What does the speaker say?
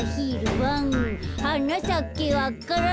「はなさけわか蘭」